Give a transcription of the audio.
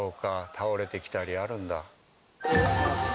倒れてきたりあるんだ。